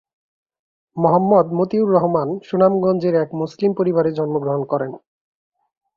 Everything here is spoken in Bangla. মোহাম্মদ মতিউর রহমান সুনামগঞ্জের এক মুসলিম পরিবারে জন্মগ্রহণ করেন।